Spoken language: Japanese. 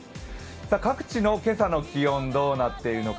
各地の今朝の気温、どうなっているのか。